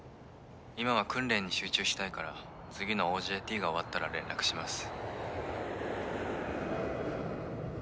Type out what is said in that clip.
「今は訓練に集中したいから次のＯＪＴが終わったら連絡します」